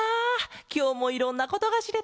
きょうもいろんなことがしれた。